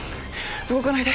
動かないで。